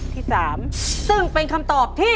ที่สามซึ่งเป็นคำตอบที่